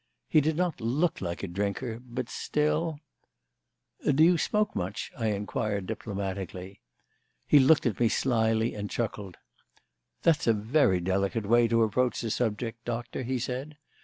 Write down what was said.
He did not look like a drinker, but still "Do you smoke much?" I inquired diplomatically. He looked at me slyly and chuckled. "That's a very delicate way to approach the subject, Doctor," he said.